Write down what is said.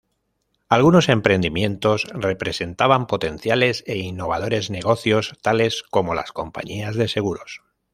Algunos emprendimientos representaban potenciales e innovadores negocios, tales como las compañías de seguros.